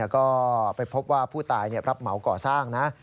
ก็ไปพบว่าผู้ตายรับเหมาก่อสร้างนะ